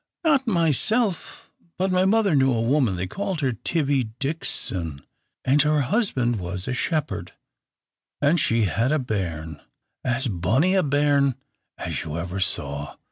"Not myself, but my mother knew a woman they called her Tibby Dickson, and her husband was a shepherd, and she had a bairn, as bonny a bairn as ever you saw.